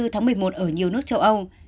tháng một mươi một ở nhiều nước châu âu